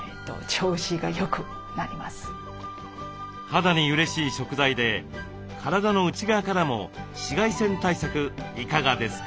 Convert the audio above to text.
肌にうれしい食材で体の内側からも紫外線対策いかがですか？